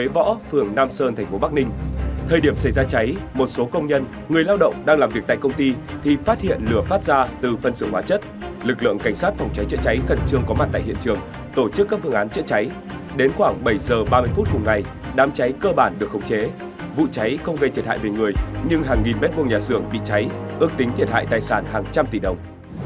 võ phường nam sơn thành phố bắc ninh thời điểm xảy ra cháy một số công nhân người lao động đang làm việc tại công ty thì phát hiện lửa phát ra từ phân xưởng hóa chất lực lượng cảnh sát phòng cháy trị cháy khẩn trương có mặt tại hiện trường tổ chức các phương án trị cháy đến khoảng bảy giờ ba mươi phút cùng ngày đám cháy cơ bản được khống chế vụ cháy không gây thiệt hại về người nhưng hàng nghìn mét vùng nhà xưởng bị cháy ước tính thiệt hại tài sản hàng trăm tỷ đồng